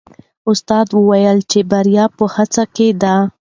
استاد وویل چې بریا په هڅه کې ده.